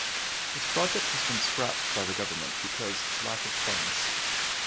This project has been scrapped by the government because lack of funds.